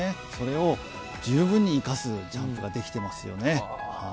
それを十分に生かすジャンプができていますよね。